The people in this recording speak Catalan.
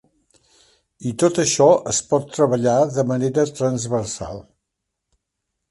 I tot això es pot treballar de manera transversal.